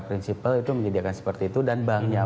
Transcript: prinsipal itu menyediakan seperti itu dan banknya